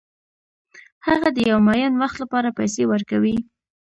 هغه د یو معین وخت لپاره پیسې ورکوي